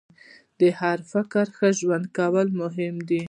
د هر فرد ښه ژوند کول مهم دي.